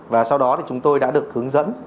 và sau đó thì chúng tôi đã được hướng dẫn